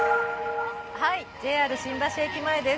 ＪＲ新橋駅前です。